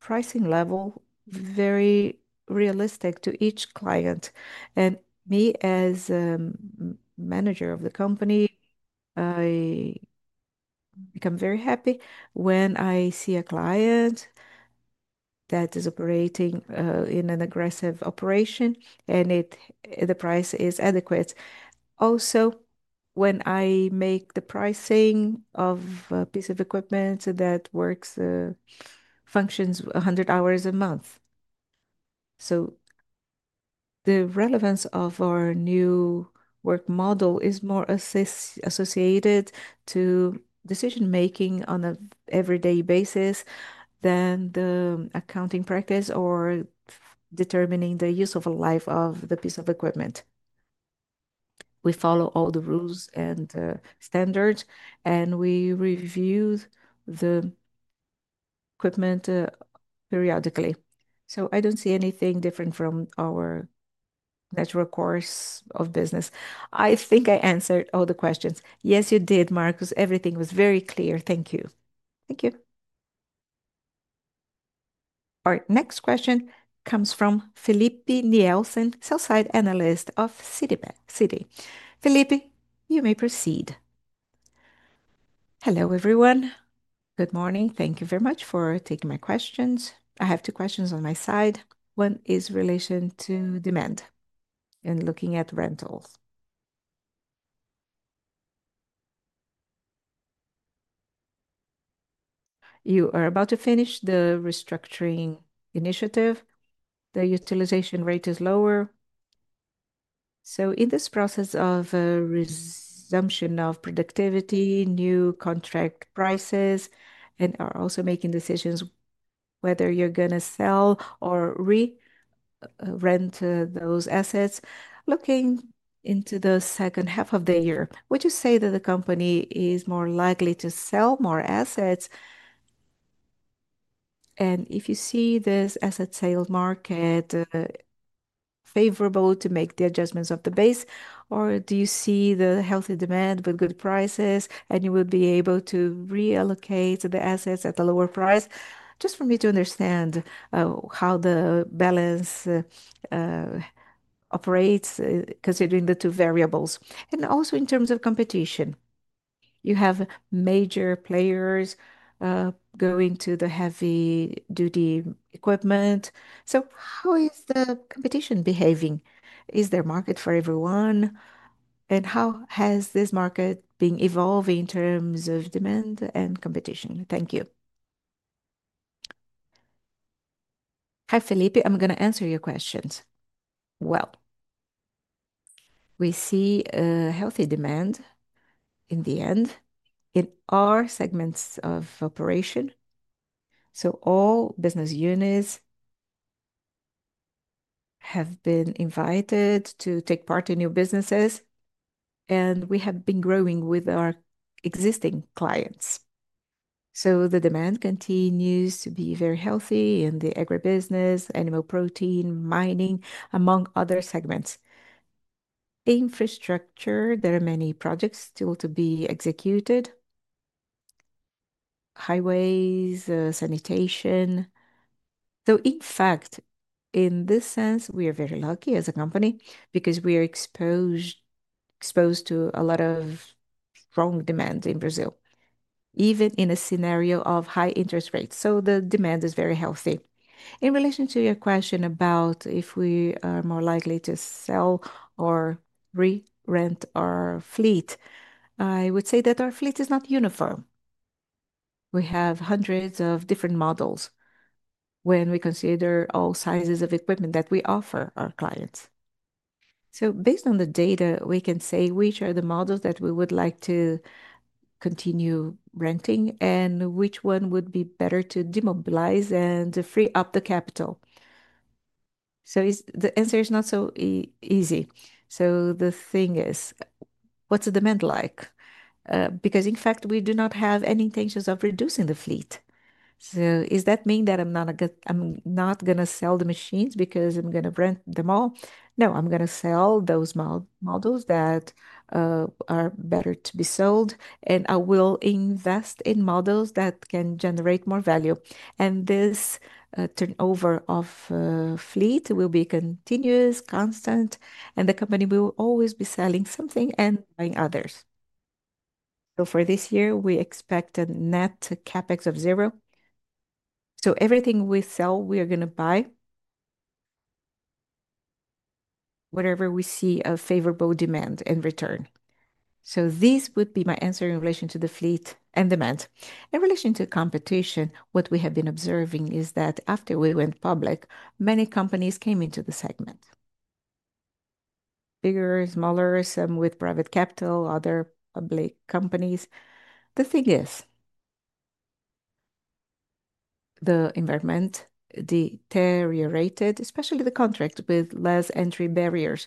pricing level very realistic to each client. And me, as a manager of the company, I become very happy when I see a client that is operating in an aggressive operation and the price is adequate. Also, when I make the pricing of a piece of equipment that works, functions 100 hours a month. The relevance of our new work model is more associated to decision-making on an everyday basis than the accounting practice or determining the use of a life of the piece of equipment. We follow all the rules and standards, and we review the equipment periodically. I don't see anything different from our natural course of business. I think I answered all the questions. Yes, you did, Marcos. Everything was very clear. Thank you. Thank you. Our next question comes from Filipe Nielsen, sell-side analyst of Citi. Filipe, you may proceed. Hello, everyone. Good morning. Thank you very much for taking my questions. I have two questions on my side. One is in relation to demand and looking at rentals. You are about to finish the restructuring initiative. The utilization rate is lower. In this process of a resumption of productivity, new contract prices, and are also making decisions whether you're going to sell or re-rent those assets, looking into the second half of the year, would you say that the company is more likely to sell more assets? If you see this asset sales market favorable to make the adjustments of the base, or do you see the healthy demand with good prices and you will be able to reallocate the assets at a lower price? Just for me to understand how the balance operates considering the two variables. Also in terms of competition, you have major players going to the heavy-duty equipment. How is the competition behaving? Is there a market for everyone? How has this market been evolving in terms of demand and competition? Thank you. Hi, Filipe. I'm going to answer your questions. We see a healthy demand in the end in our segments of operation. All business units have been invited to take part in new businesses, and we have been growing with our existing clients. The demand continues to be very healthy in the agribusiness, animal protein, mining, among other segments. Infrastructure, there are many projects still to be executed: highways, sanitation. In this sense, we are very lucky as a company because we are exposed to a lot of strong demand in Brazil, even in a scenario of high interest rates. The demand is very healthy. In relation to your question about if we are more likely to sell or re-rent our fleet, I would say that our fleet is not uniform. We have hundreds of different models when we consider all sizes of equipment that we offer our clients. Based on the data, we can say which are the models that we would like to continue renting and which one would be better to demobilize and free up the capital. The answer is not so easy. The thing is, what's the demand like? We do not have any intentions of reducing the fleet. Does that mean that I'm not going to sell the machines because I'm going to rent them all? No, I'm going to sell those models that are better to be sold, and I will invest in models that can generate more value. This turnover of fleet will be continuous, constant, and the company will always be selling something and buying others. For this year, we expect a net CapEx of zero. Everything we sell, we are going to buy whenever we see a favorable demand and return. These would be my answer in relation to the fleet and demand. In relation to competition, what we have been observing is that after we went public, many companies came into the segment: bigger, smaller, some with private capital, other public companies. The environment deteriorated, especially the contract with less entry barriers.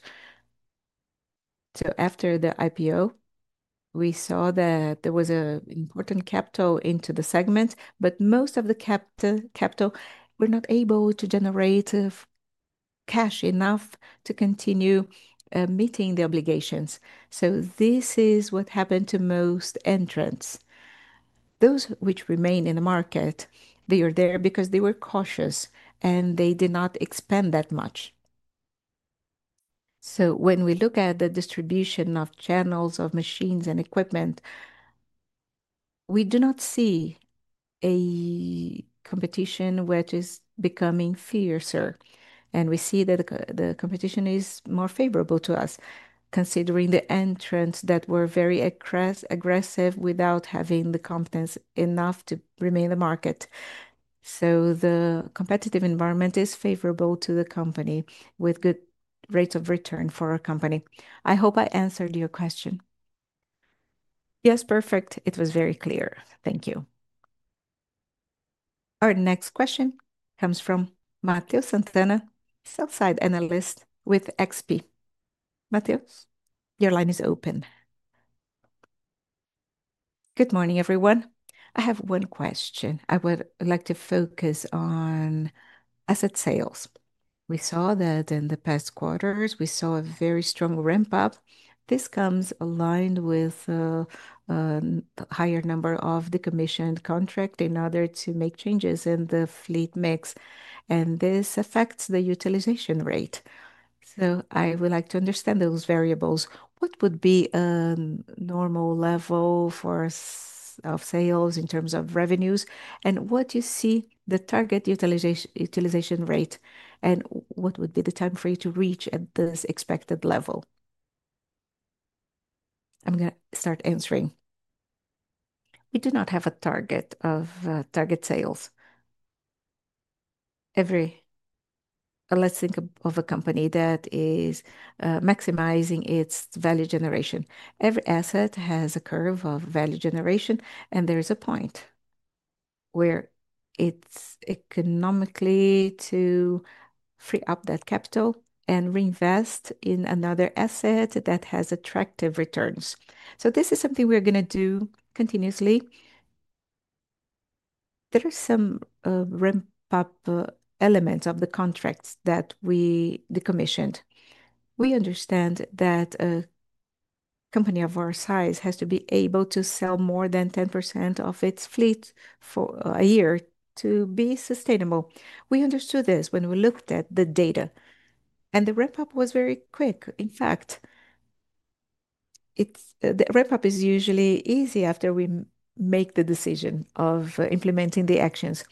After the IPO, we saw that there was an important capital into the segment, but most of the capital were not able to generate cash enough to continue meeting the obligations. This is what happened to most entrants. Those which remain in the market, they are there because they were cautious and they did not expand that much. When we look at the distribution of channels of machines and equipment, we do not see a competition which is becoming fiercer. We see that the competition is more favorable to us, considering the entrants that were very aggressive without having the competence enough to remain in the market. The competitive environment is favorable to the company with good rates of return for our company. I hope I answered your question. Yes, perfect. It was very clear. Thank you. Our next question comes from Matheus Sant'Anna, sell-side analyst with XP. Matheus, your line is open. Good morning, everyone. I have one question. I would like to focus on asset sales. We saw that in the past quarters, we saw a very strong ramp-up. This comes aligned with a higher number of decommissioned contracts in order to make changes in the fleet mix, and this affects the utilization rate. I would like to understand those variables. What would be a normal level for sales in terms of revenues, and what do you see the target utilization rate, and what would be the time for you to reach at this expected level? I'm going to start answering. We do not have a target of target sales. Let's think of a company that is maximizing its value generation. Every asset has a curve of value generation, and there is a point where it's economically to free up that capital and reinvest in another asset that has attractive returns. This is something we're going to do continuously. There are some ramp-up elements of the contracts that we decommissioned. We understand that a company of our size has to be able to sell more than 10% of its fleet for a year to be sustainable. We understood this when we looked at the data, and the ramp-up was very quick. In fact, the ramp-up is usually easy after we make the decision of implementing the actions.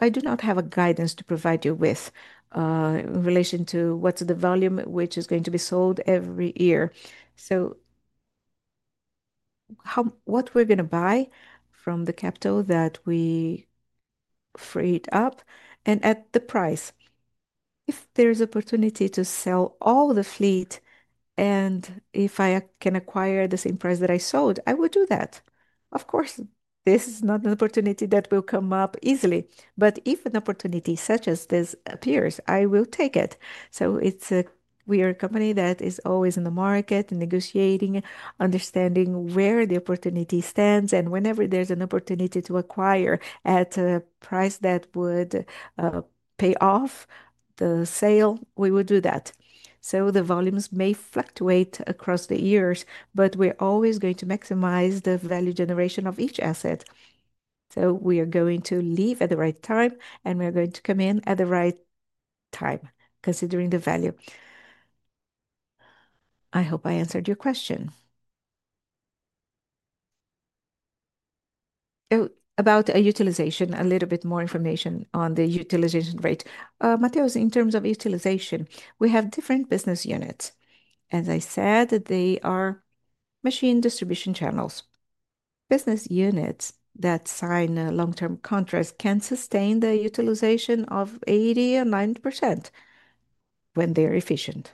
I do not have a guidance to provide you with in relation to what's the volume which is going to be sold every year. What we're going to buy from the capital that we freed up and at the price. If there is an opportunity to sell all the fleet and if I can acquire the same price that I sold, I would do that. Of course, this is not an opportunity that will come up easily, but if an opportunity such as this appears, I will take it. We are a company that is always in the market, negotiating, understanding where the opportunity stands, and whenever there's an opportunity to acquire at a price that would pay off the sale, we would do that. The volumes may fluctuate across the years, but we're always going to maximize the value generation of each asset. We are going to leave at the right time, and we are going to come in at the right time, considering the value. I hope I answered your question. About utilization, a little bit more information on the utilization rate. Matheus, in terms of utilization, we have different business units. As I said, they are machine distribution channels. Business units that sign long-term contracts can sustain the utilization of 80% or 90% when they're efficient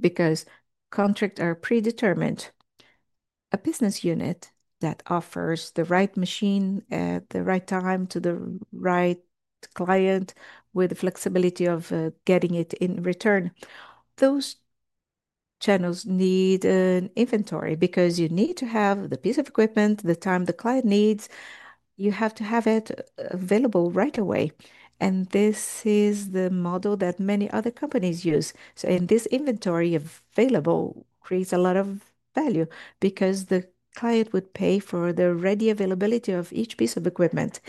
because contracts are predetermined. A business unit that offers the right machine at the right time to the right client with the flexibility of getting it in return. Those channels need an inventory because you need to have the piece of equipment the time the client needs. You have to have it available right away. This is the model that many other companies use. This inventory available creates a lot of value because the client would pay for the ready availability of each piece of equipment.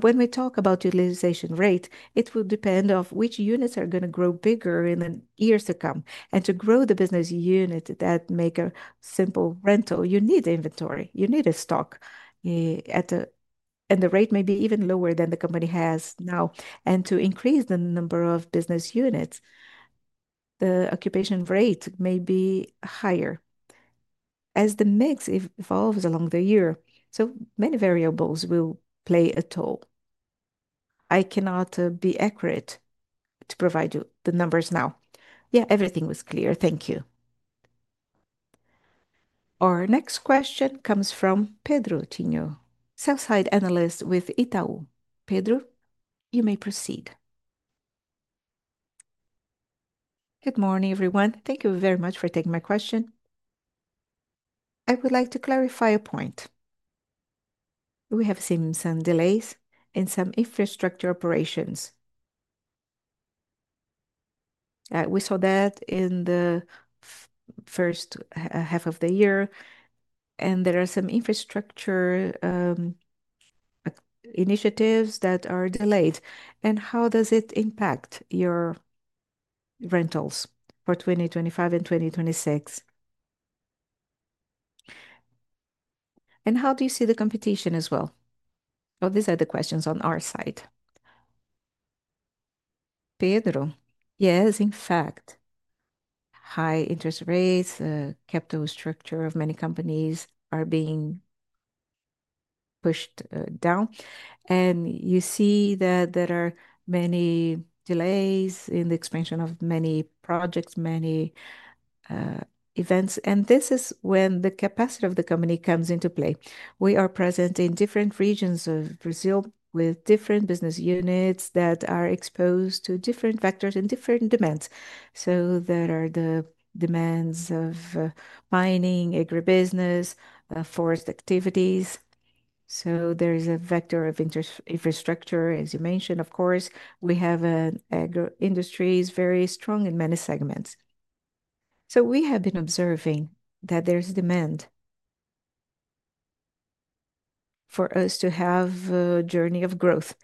When we talk about utilization rate, it will depend on which units are going to grow bigger in the years to come. To grow the business unit that makes a simple rental, you need inventory. You need a stock. The rate may be even lower than the company has now. To increase the number of business units, the occupation rate may be higher as the mix evolves along the year. Many variables will play a role. I cannot be accurate to provide you the numbers now. Yeah, everything was clear. Thank you. Our next question comes from Pedro Tineo, sell-side analyst with Itaú. Pedro, you may proceed. Good morning, everyone. Thank you very much for taking my question. I would like to clarify a point. We have seen some delays in some infrastructure operations. We saw that in the first half of the year, and there are some infrastructure initiatives that are delayed. How does it impact your rentals for 2025 and 2026? How do you see the competition as well? These are the questions on our side. Pedro? Yes, in fact. High interest rates, capital structure of many companies are being pushed down. You see that there are many delays in the expansion of many projects, many events. This is when the capacity of the company comes into play. We are present in different regions of Brazil with different business units that are exposed to different vectors and different demands. There are the demands of mining, agribusiness, forest activities. There is a vector of infrastructure, as you mentioned, of course. We have an agri-industry that is very strong in many segments. We have been observing that there is demand for us to have a journey of growth,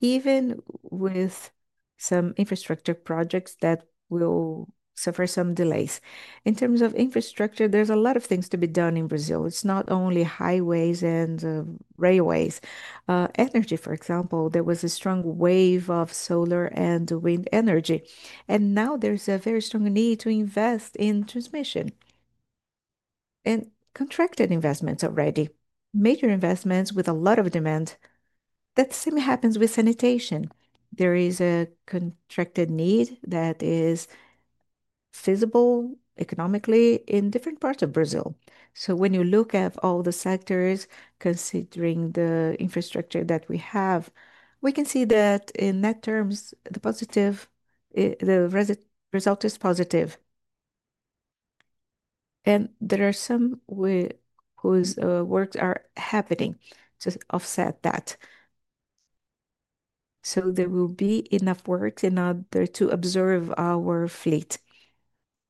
even with some infrastructure projects that will suffer some delays. In terms of infrastructure, there's a lot of things to be done in Brazil. It's not only highways and railways. Energy, for example, there was a strong wave of solar and wind energy. Now there's a very strong need to invest in transmission and contracted investments already, major investments with a lot of demand. That same happens with location, there is a contracted need that is feasible economically in different parts of Brazil. When you look at all the sectors, considering the infrastructure that we have, we can see that in net terms, the result is positive. There are some ways whose work are happening to offset that. There will be enough work in order to observe our fleet.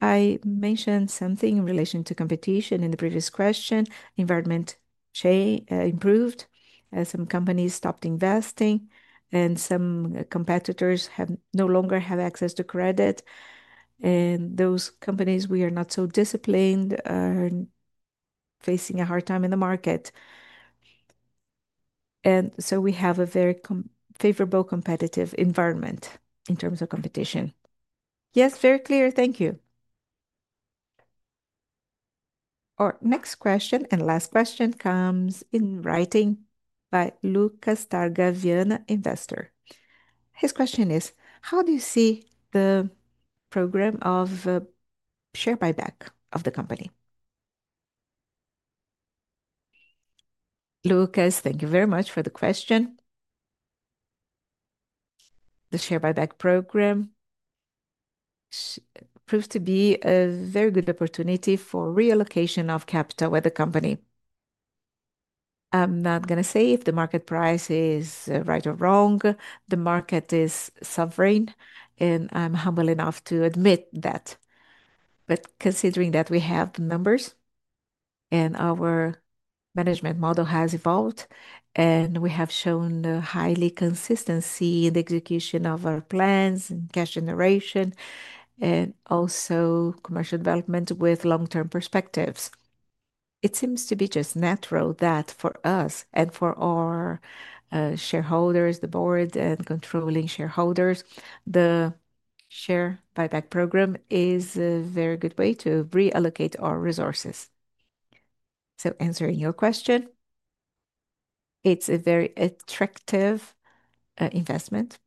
I mentioned something in relation to competition in the previous question. Environment change improved. Some companies stopped investing, and some competitors no longer have access to credit. Those companies who are not so disciplined are facing a hard time in the market. We have a very favorable competitive environment in terms of competition. Yes, very clear. Thank you. Our next question and last question comes in writing by Lucas Targa, Vienna investor. His question is, how do you see the program of share buyback of the company? Lucas, thank you very much for the question. The share buyback program proves to be a very good opportunity for reallocation of capital by the company. I'm not going to say if the market price is right or wrong. The market is suffering, and I'm humble enough to admit that. Considering that we have the numbers, and our management model has evolved, and we have shown high consistency in the execution of our plans and cash generation, and also commercial development with long-term perspectives, it seems to be just natural that for us and for our shareholders, the board, and controlling shareholders, the share buyback program is a very good way to reallocate our resources. Answering your question, it's a very attractive investment.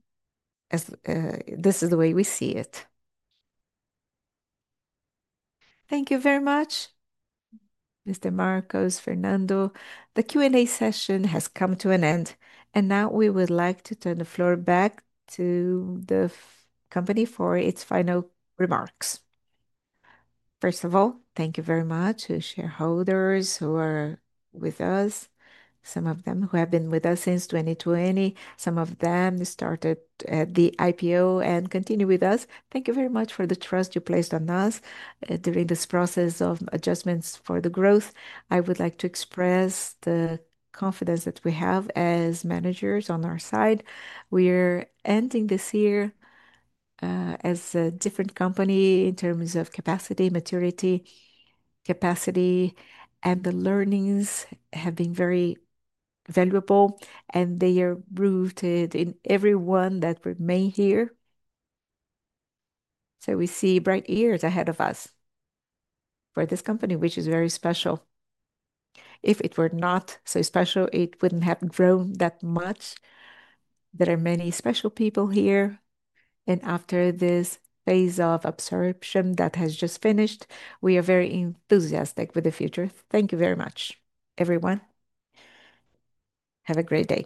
This is the way we see it. Thank you very much, Mr. Marcos, Mr. Fernando. The Q&A session has come to an end, and now we would like to turn the floor back to the company for its final remarks. First of all, thank you very much to shareholders who are with us. Some of them who have been with us since 2020. Some of them started at the IPO and continue with us. Thank you very much for the trust you placed on us during this process of adjustments for the growth. I would like to express the confidence that we have as managers on our side. We are ending this year as a different company in terms of capacity, maturity, capacity, and the learnings have been very valuable, and they are rooted in everyone that remains here. We see bright years ahead of us for this company, which is very special. If it were not so special, it wouldn't have grown that much. There are many special people here, and after this phase of absorption that has just finished, we are very enthusiastic with the future. Thank you very much, everyone. Have a great day.